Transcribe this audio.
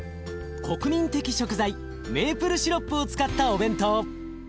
国民的食材メイプルシロップを使ったお弁当。